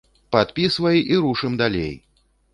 Падпісвай, і рушым далей!